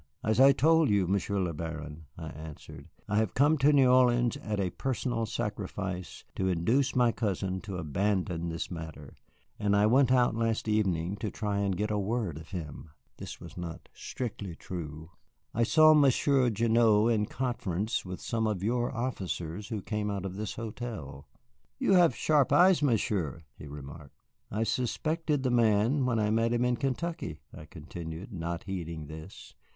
"As I told you, Monsieur le Baron," I answered, "I have come to New Orleans at a personal sacrifice to induce my cousin to abandon this matter, and I went out last evening to try to get word of him." This was not strictly true. "I saw Monsieur Gignoux in conference with some of your officers who came out of this hotel." "You have sharp eyes, Monsieur," he remarked. "I suspected the man when I met him in Kentucky," I continued, not heeding this.